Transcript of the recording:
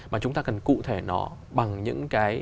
mà chúng ta cần cụ thể nó bằng những